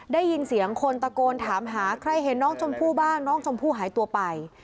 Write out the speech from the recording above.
ได้ยินเสียงคนตะโกนถามหาใครเห็นน้องชมพู่บ้างน้องชมพู่หายตัวไป